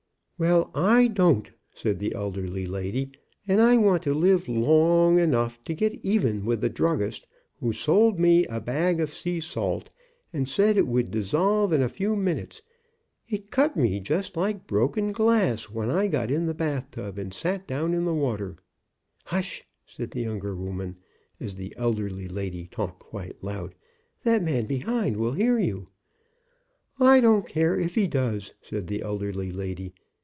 "Well, I don't," said the elderly lady, "and I want 122 SALT WATER BATHS FOR HIVES to live long 1 enough to get even with the druggist who sold me a bag of sea salt, and said it would dis solve in a few minutes. It cut me just like broken glass when I got in the bathtub and sat down in the water " "Hush," said the younger woman, as the elderly lady talked quite loud, "that man behind will hear you." rttfffl "Did you ever have hives?" "I don't care if he does," said the elderly lady.